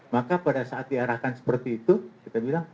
maka pada saat diarahkan seperti itu kita bilang